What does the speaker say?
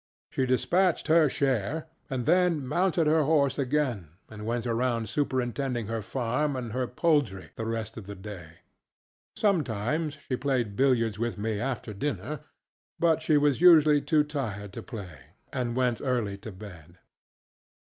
She dispatched her share and then mounted her horse again and went around superintending her farm and her poultry the rest of the day. Sometimes she played billiards with me after dinner, but she was usually too tired to play, and went early to bed.